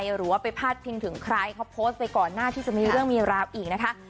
หรือว่าไปพาดพิงถึงใครเขาโพสต์ไปก่อนหน้าที่จะมีเรื่องมีราวอีกนะคะ